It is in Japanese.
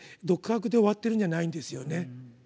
独白で終わってるんじゃないんですよね。